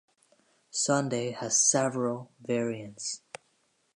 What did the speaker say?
Sunday has several variants.